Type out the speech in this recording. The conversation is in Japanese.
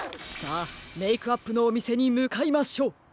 さあメイクアップのおみせにむかいましょう！